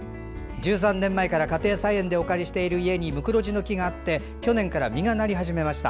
１３年前から家庭菜園でお借りしている家にムクロジの木があって去年から実がなり始めました。